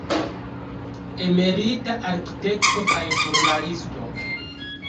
Emerita arkitekto kaj ĵurnalisto.